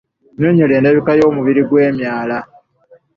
Nyonnyola endabika y’omubiri ogwe myala.